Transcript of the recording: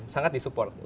sangat di support